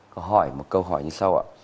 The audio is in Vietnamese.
có hỏi một câu hỏi như sau